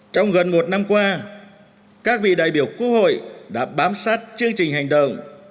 trong gần một năm qua các vị đại biểu quốc hội đã bám sát chương trình hành động